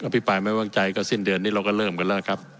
พี่ปายไม่ว่างใจก็สิในสิ้นเดือนเราก็เริ่มแล้วครับ